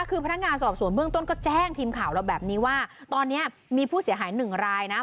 คือพนักงานสอบสวนเบื้องต้นก็แจ้งทีมข่าวเราแบบนี้ว่าตอนนี้มีผู้เสียหายหนึ่งรายนะ